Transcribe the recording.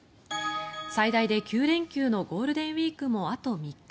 最大で９連休のゴールデンウィークもあと３日。